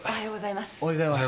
おはようございます。